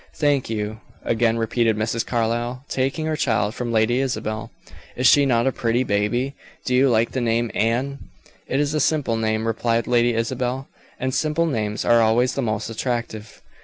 Thank you," again repeated Mrs. Carlyle, taking her child from Lady Isabel. "Is she not a pretty baby? Do you like the name Anne?" "It is a simple name," replied Lady Isabel; "and simple names are always the most attractive."